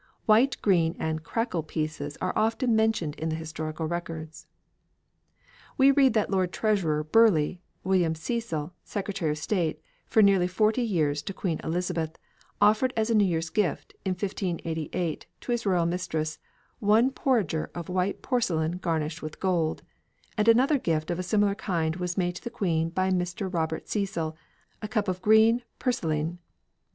White, green, and crackle pieces are often mentioned in the historical records. We read that Lord Treasurer Burleigh, William Cecil, Secretary of State for nearly forty years to Queen Elizabeth, offered as a New Year's gift, in 1588, to his royal mistress "one porringer of white porselyn garnished with gold," and another gift of a similar kind was made to the Queen by Mr. Robert Cecil, "a cup of grene pursselyne."